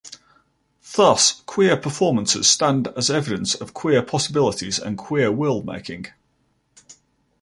Thus, queer performances stand as evidence of queer possibilities and queer worldmaking.